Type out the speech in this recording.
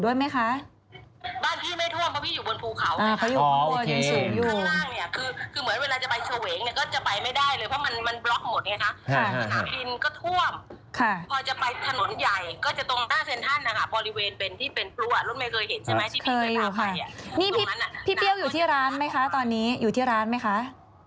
เยอะมากตรงหน้าอันทราเนี่ยนะคะ